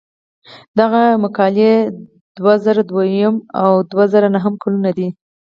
دغه مقالې د دوه زره دویم او دوه زره نهم کلونو دي.